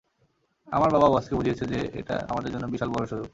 আমার বাবা বসকে বুঝিয়েছে যে, এটা আমাদের জন্য বিশাল বড় সুযোগ।